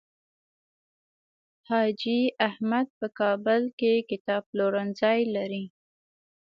حاجي احمد په کابل کې کتاب پلورنځی لري.